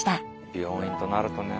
病院となるとね